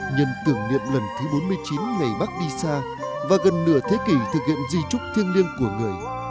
nhân tưởng niệm lần thứ bốn mươi chín ngày bác đi xa và gần nửa thế kỷ thực hiện di trúc thiêng liêng của người